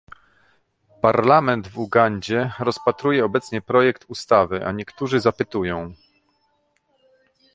Parlament w Ugandzie rozpatruje obecnie projekt ustawy, a niektórzy zapytują